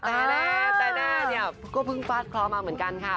แต่แน่นี่ก็เพิ่งฟาดเคราะห์มาเหมือนกันค่ะ